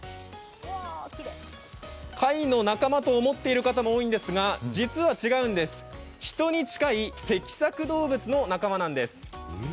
貝の仲間と思っている方も多いと思うんですが実は違うんです、人に近い脊索動物の仲間なんです。